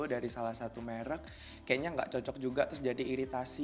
dari salah satu merek kayaknya nggak cocok juga terus jadi iritasi